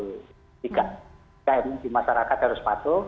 tiga t di masyarakat harus patuh